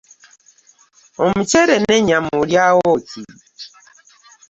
Omuceere n'ennyama olyawo ki?